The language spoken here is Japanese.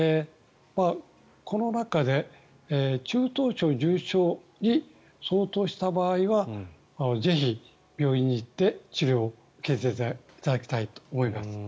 この中で中等症、重症に相当した場合はぜひ病院に行って治療を受けていただきたいと思います。